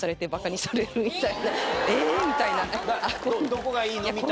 どこがいいの？みたいな。